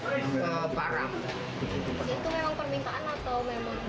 itu memang permintaan atau memang